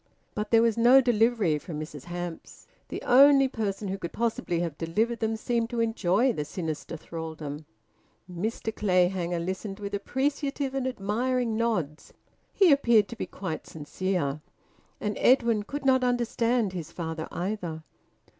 But there was no delivery from Mrs Hamps. The only person who could possibly have delivered them seemed to enjoy the sinister thraldom. Mr Clayhanger listened with appreciative and admiring nods; he appeared to be quite sincere. And Edwin could not understand his father either.